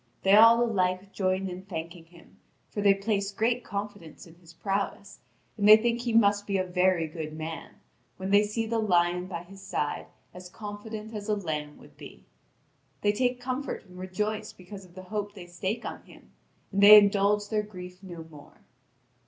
They all alike join in thanking him, for they place great confidence in his prowess, and they think he must be a very good man, when they see the lion by his side as confident as a lamb would be. They take comfort and rejoice because of the hope they stake on him, and they indulge their grief no more.